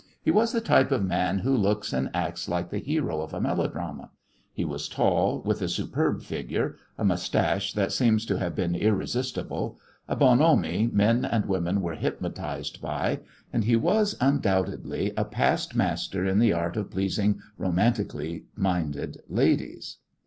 He was the type of man who looks and acts like the hero of a melodrama. He was tall, with a superb figure, a moustache that seems to have been irresistible, a bonhomie men and women were hypnotized by, and he was, undoubtedly, a past master in the art of pleasing romantically minded ladies.